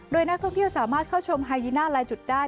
โดยนักท่องเที่ยวสามารถเข้าชมไฮยิน่าลายจุดได้